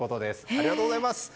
ありがとうございます。